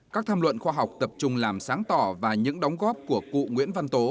các tham luận khoa học tập trung làm sáng tỏ và những đóng góp của cụ nguyễn văn tố